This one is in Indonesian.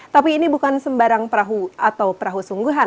tapi ini bukan sembarang perahu atau perahu sungguhan